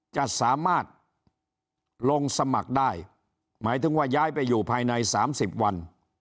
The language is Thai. จะสามารถลงสมัครได้หมายถึงว่าย้ายไปอยู่ภายใน๓๐วัน